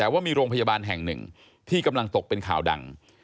แต่ว่ามีโรงพยาบาลแห่งหนึ่งที่กำลังตกเป็นข่าวดัง